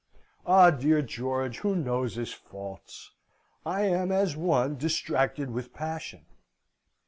Ah, dear George, who knows his faults? I am as one distracted with passion.